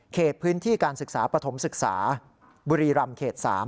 พื้นที่การศึกษาปฐมศึกษาบุรีรำเขต๓